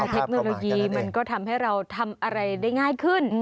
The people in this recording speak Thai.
เทคโนโลยีมันก็ทำให้เราทำอะไรได้ง่ายขึ้น